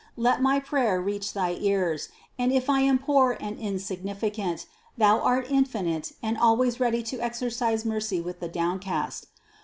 Let my prayer reach thy ears, and if I am poor and insignificant, Thou art infinite and always ready to exercise mercy with the downcast.